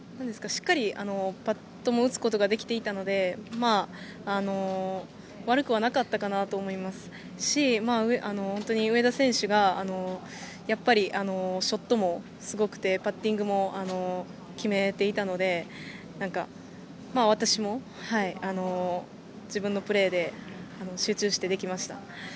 しっかりパットも打つことができていたので悪くはなかったかなと思いますし上田選手がショットもすごくてパッティングも決めていたので私も自分のプレーで集中してできました。